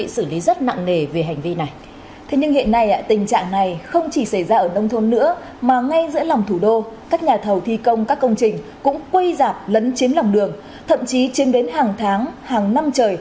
xin chào và hẹn gặp lại các bạn trong những video tiếp theo